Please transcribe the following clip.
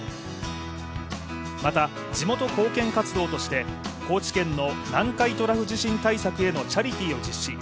また、地元貢献活動として高知県の南海トラフ地震対策へのチャリティーを実施。